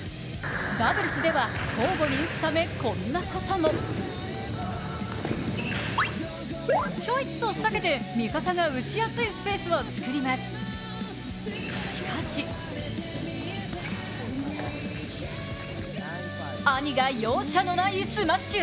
ダブルスでは交互に打つため、こんなこともひょいっと避けて、味方が打ちやすいスペースを作ります、しかし兄が容赦のないスマッシュ。